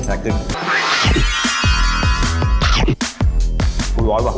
ผมร้อนกว่ะ